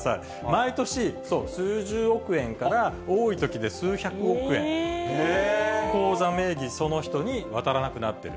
毎年、そう、数十億円から多いときで数百億円、口座名義、その人に渡らなくなってる。